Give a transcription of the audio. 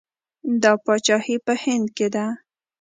دا پاچاهي په هند کې ده.